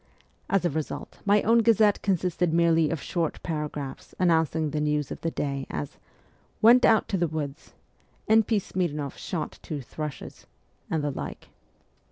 As a result my own Gazette consisted merely of short paragraphs announcing the news of the day : as, ' Went out to the woods. N. P. Smirn6ff shot two thrushes,' and the like.